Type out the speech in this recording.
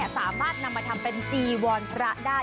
สามารถนำมาทำเป็นจีวรพระได้